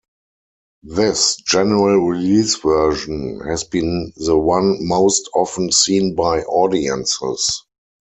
This general release version has been the one most often seen by audiences.